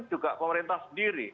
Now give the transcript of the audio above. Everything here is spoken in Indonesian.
juga pemerintah sendiri